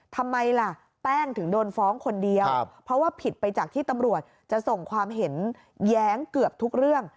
ทำไมล่ะแป้งถึงโดนฟ้องคนเดียวเพราะว่าผิดไปจากที่ตำรวจจะส่งความเห็นแย้งเกือบทุกเรื่อง